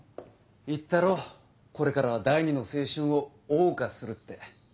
言ったろこれからは第二の青春を謳歌するって。